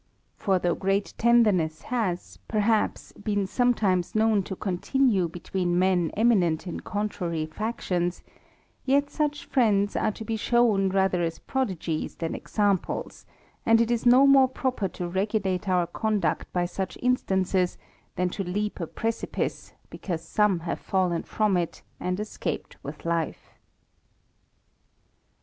For though great TBB RAMBLES. 93 mess has, peitaps, been sometimes known to continue reeti men eminent in contrary factions ; yet such friends are to be shown rather as prodigies than examples, and it is no more proper to regulate our conduct by such instances, than to leap a precipice, because some have fallen from it and escaped with life.